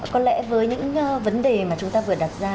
có lẽ với những vấn đề mà chúng ta vừa đặt ra